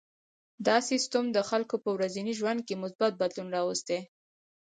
دا سیستم د خلکو په ورځني ژوند کې مثبت بدلون راوستی.